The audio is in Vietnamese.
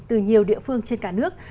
từ nhiều địa phương trên cả nước